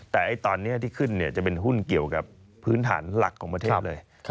แต่ตอนนี้ที่ขึ้นจะเป็นหุ้นเกี่ยวกับพื้นฐานหลักของประเทศเลย